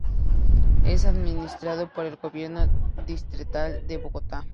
Es administrado por el gobierno distrital de Bogotá.